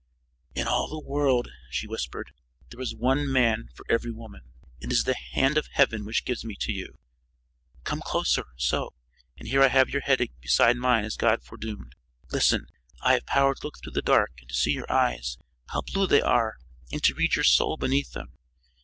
"In all the world," she whispered, "there is one man for every woman. It is the hand of Heaven which gives me to you." "Come closer so! And here I have your head beside mine as God foredoomed. Listen! I have power to look through the dark and to see your eyes how blue they are! and to read your soul beneath them.